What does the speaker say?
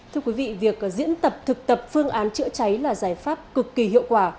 thưa quý vị việc diễn tập thực tập phương án chữa cháy là giải pháp cực kỳ hiệu quả